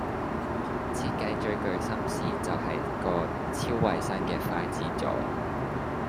設計最具心思就係個超衛生嘅筷子座